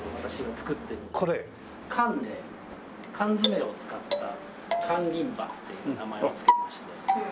缶で缶詰を使った「缶リンバ」という名前を付けまして。